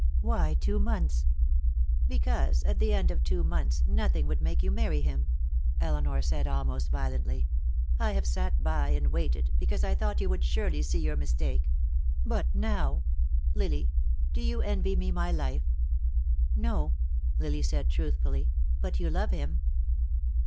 "Why two months?" "Because, at the end of two months, nothing would make you marry him," Elinor said, almost violently. "I have sat by and waited, because I thought you would surely see your mistake. But now Lily, do you envy me my life?" "No," Lily said truthfully; "but you love him."